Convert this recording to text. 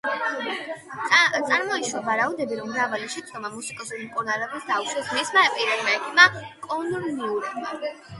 წარმოიშვა ვარაუდები, რომ მრავალი შეცდომა მუსიკოსის მკურნალობისას დაუშვა მისმა პირადმა ექიმმა, კონრად მიურეიმ.